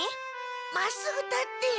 まっすぐ立ってよ。